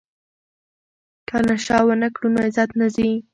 که نشه ونه کړو نو عزت نه ځي.